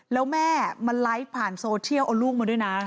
แล้วแม่มาไลฟ์ผ่านโซเชียลเอาลูกมาด้วยนะ